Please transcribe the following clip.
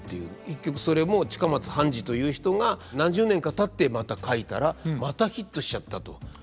結局それも近松半二という人が何十年かたってまた書いたらまたヒットしちゃったと。